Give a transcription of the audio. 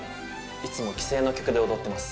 いつも既成の曲で踊ってます。